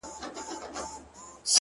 چي له ژړا سره خبري كوم.!